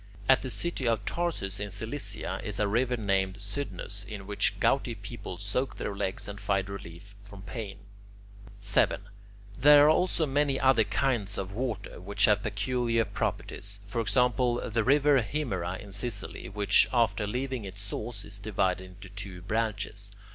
At the city of Tarsus in Cilicia is a river named Cydnus, in which gouty people soak their legs and find relief from pain. 7. There are also many other kinds of water which have peculiar properties; for example, the river Himera in Sicily, which, after leaving its source, is divided into two branches.